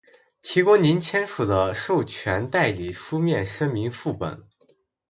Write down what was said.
提供您签署的授权代理书面声明副本；